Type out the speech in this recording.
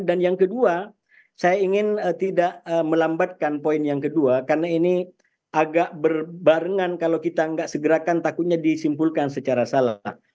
dan yang kedua saya ingin tidak melambatkan poin yang kedua karena ini agak berbarengan kalau kita nggak segerakan takutnya disimpulkan secara salah